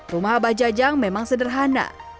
rumah abah jajang memang sederhana